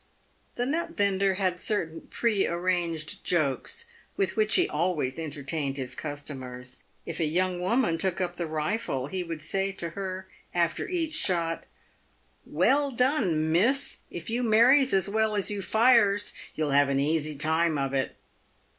The nut vendor had certain prearranged jokes with which he always entertained his customers. If a young woman took up the rifle, he would say to her after each shot, " Well done, miss ! If you marries as well as you fires, you'll have an easy time of it."